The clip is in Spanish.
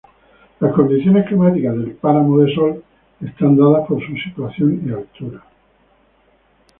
Las condiciones climáticas del "páramo de Sol" están dadas por su situación y altura.